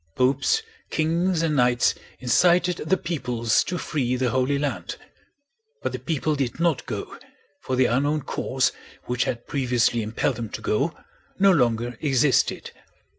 Popes, kings, and knights incited the peoples to free the Holy Land; but the people did not go, for the unknown cause which had previously impelled them to go no longer existed.